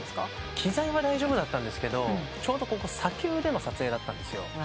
機材は大丈夫だったんですけどちょうどここ砂丘での撮影だったんですよ。